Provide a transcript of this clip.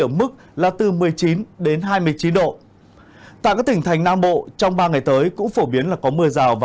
ở mức là từ một mươi chín đến hai mươi chín độ tại các tỉnh thành nam bộ trong ba ngày tới cũng phổ biến là có mưa rào và